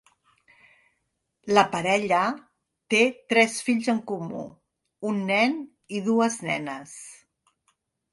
La parella té tres fills en comú, un nen i dues nenes.